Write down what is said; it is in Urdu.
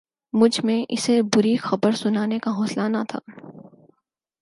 مجھ میں اسے بری خبر سنانے کا حوصلہ نہ تھا